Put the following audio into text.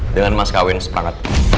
dengan mas kawin seperangkat